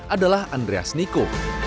adalah andreas niko